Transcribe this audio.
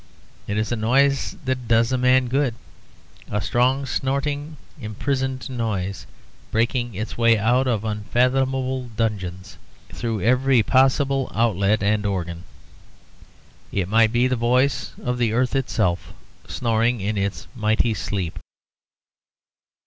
It is a noise that does a man good a strong, snorting, imprisoned noise, breaking its way out of unfathomable dungeons through every possible outlet and organ. It might be the voice of the earth itself, snoring in its mighty sleep.